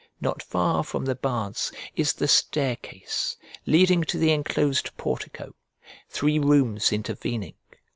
Not far from the baths is the staircase leading to the enclosed portico, three rooms intervening.